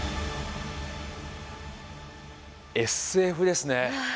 ＳＦですね。